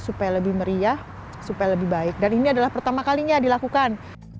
supaya lebih meriah supaya lebih baik dan ini adalah pertama kalinya dilakukan